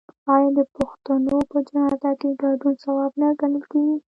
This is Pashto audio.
آیا د پښتنو په جنازه کې ګډون ثواب نه ګڼل کیږي؟